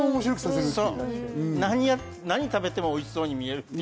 そう、何を食べてもおいしそうに見えるし。